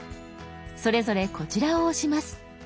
それぞれこちらを押します。